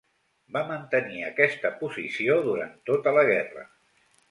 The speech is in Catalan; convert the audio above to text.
Va mantenir aquesta posició durant tota la guerra.